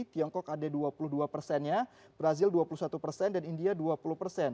tiongkok ada dua puluh dua persennya brazil dua puluh satu persen dan india dua puluh persen